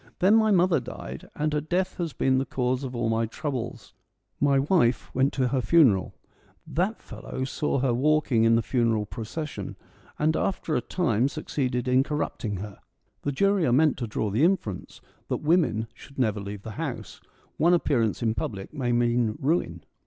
Then my mother died, and her death has been the cause of all my troubles. My wife went to her funeral ; that fellow saw her walking in the funeral procession, and after a time succeeded in corrupting her. (The jury are meant to draw the inference that women should never leave the house : one appearance in public may mean ruin.)